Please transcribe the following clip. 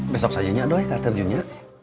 besok sajanya doi ke air terjunnya